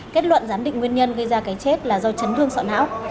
kết luận giám định nguyên nhân gây ra cái chết là do chấn thương sọ não